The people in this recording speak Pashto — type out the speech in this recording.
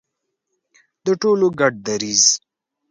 د ټولو ګډ دریځ.